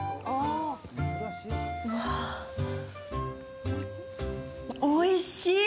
うわぁ、おいしい！